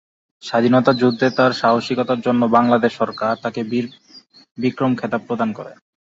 স্বাধীনতা যুদ্ধে তার সাহসিকতার জন্য বাংলাদেশ সরকার তাকে বীর বিক্রম খেতাব প্রদান করে।